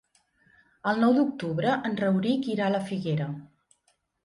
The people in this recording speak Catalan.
El nou d'octubre en Rauric irà a la Figuera.